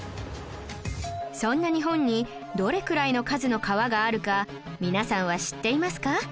そんな日本にどれくらいの数の川があるか皆さんは知っていますか？